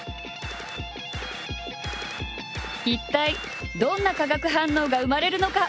一体どんな化学反応が生まれるのか？